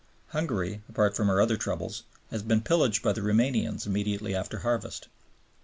Hungary, apart from her other troubles, has been pillaged by the Romanians immediately after harvest.